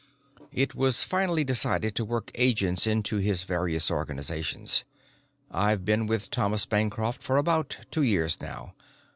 "It was finally decided to work agents into his various organizations. I've been with Thomas Bancroft for about two years now.